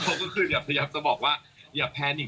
เขาก็คือพยายามจะบอกว่าอย่าแพนอีก